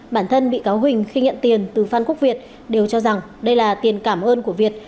bản thân bị cáo huỳnh khi nhận tiền từ phan quốc việt đều cho rằng đây là tiền cảm ơn của việt